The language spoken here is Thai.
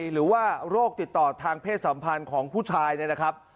หรือว่าโรคติดต่อทางเพศสัมพันธ์ของผู้ชายนะครับ